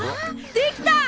できた！